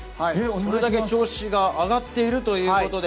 それだけ調子が上がっているということで。